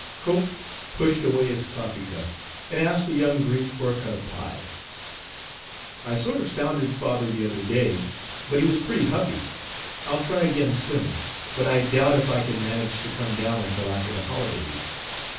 Cope pushed away his coffee cup and asked the young Greek for a cut of pie. "I sort of sounded father the other day, but he was pretty huffy. I'll try again, soon; but I doubt if I can manage to come down until after the holidays.